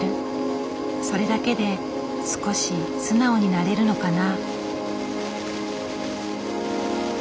それだけで少し素直になれるのかな。